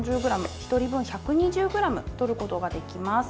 １人分１２０ｇとることができます。